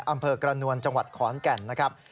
อำเภอกระนวลจังหวัดขอนแก่นนะครับ